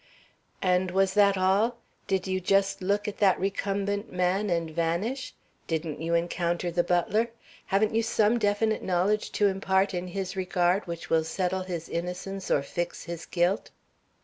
"And was that all? Did you just look at that recumbent man and vanish? Didn't you encounter the butler? Haven't you some definite knowledge to impart in his regard which will settle his innocence or fix his guilt?"